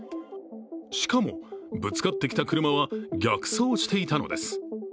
しかも、ぶつかってきた車は逆走していたのです。